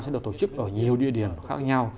sẽ được tổ chức ở nhiều địa điểm khác nhau